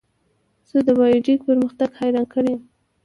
زه د بایو ټیک پرمختګ حیران کړی یم.